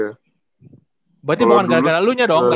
berarti bukan gara gara lunya dong